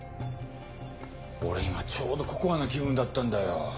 俺今ちょうどココアな気分だったんだよ。